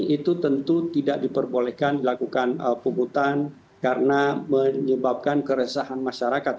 itu tentu tidak diperbolehkan dilakukan puputan karena menyebabkan keresahan masyarakat